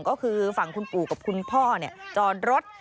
ก็คือฝั่งคุณปู่กับคุณพ่อจอดรถ